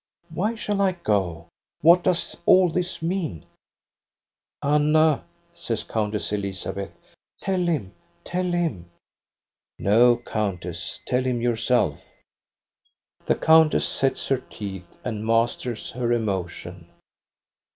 " Why shall I go ? What does all this mean }" "Anna, says Countess Elizabeth, "tell him, tell him !" No, countess, tell him yourself !" The countess sets her teeth, and masters her emotion.